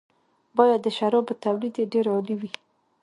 باید د شرابو تولید یې ډېر عالي وي.